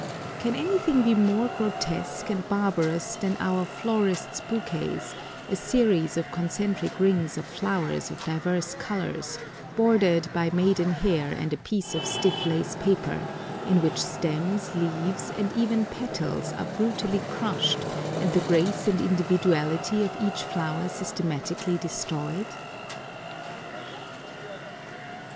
Can anything be more grotesque and barbarous than our "florists' bouquets," a series of concentric rings of flowers of divers colours, bordered by maidenhair and a piece of stiff lace paper, in which stems, leaves, and even petals are brutally crushed, and the grace and individuality of each flower systematically destroyed?